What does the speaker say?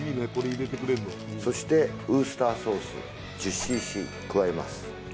そしてウスターソース１０ｃｃ加えます